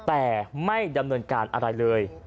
แต่ไม่ดำเนินการอะไรเลย